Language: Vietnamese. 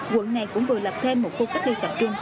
quận này cũng vừa lập thêm một khu cách ly tập trung